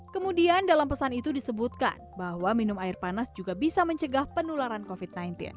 kemudian dalam pesan itu disebutkan bahwa minum air panas juga bisa mencegah penularan covid sembilan belas